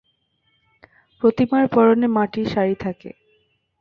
প্রতিমার পরনে মাটির শাড়ি থাকে।